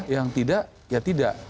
yang tidak ya tidak